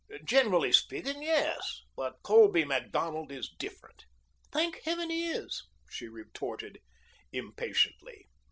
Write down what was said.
"Generally speaking, yes. But Colby Macdonald is different." "Thank Heaven he is," she retorted impatiently.